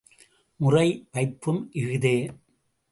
முறை வைப்பும் இஃதே.